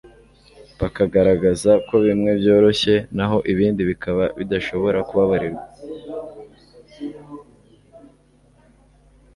bakagaragaza ko bimwe byoroshye naho ibindi bikaba bidashobora kubabarirwa,